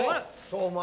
お前！